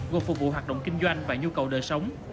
gồm phục vụ hoạt động kinh doanh và nhu cầu đời sống